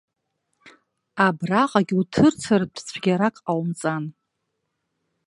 Абраҟагь уҭырцартә цәгьарак ҟаумҵан.